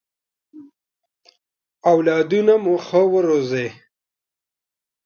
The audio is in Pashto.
اولادونه مو ښه ورزوی!